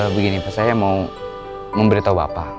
begini saya mau memberitahu bapak